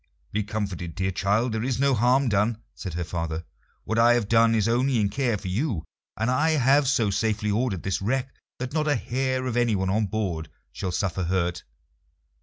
"Be comforted, dear child; there is no harm done," said her father. "What I have done is only in care for you, and I have so safely ordered this wreck that not a hair of anyone on board shall suffer hurt.